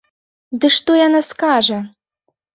Ды што яна скажа?!